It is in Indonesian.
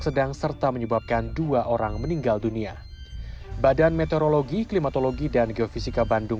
sedang serta menyebabkan dua orang meninggal dunia badan meteorologi klimatologi dan geofisika bandung